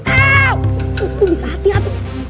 aduh bisa hati hati